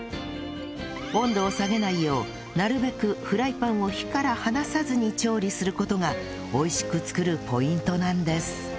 温度を下げないようなるべくフライパンを火から離さずに調理する事が美味しく作るポイントなんです